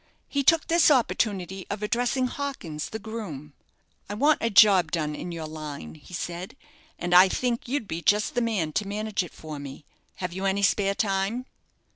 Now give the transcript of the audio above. He took this opportunity of addressing Hawkins, the groom. "I want a job done in your line," he said, "and I think you'd be just the man to manage it for me. Have you any spare time?"